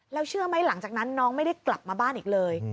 แล้วเชื่อไหมหลังจากนั้นน้องไม่ได้กลับมาบ้านอีกเลย